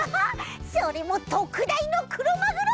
それもとくだいのクロマグロ！